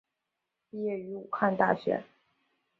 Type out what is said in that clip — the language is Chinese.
毕业于武汉大学。